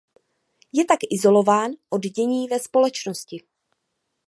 Je tak izolován od dění ve společnosti.